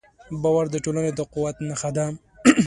باور د ټولنې د قوت نښه ده.